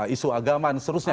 isu agama dan seterusnya